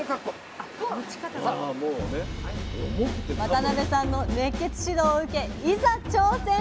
渡邊さんの熱血指導を受けいざ挑戦！